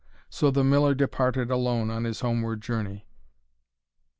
So the Miller departed alone on his homeward journey.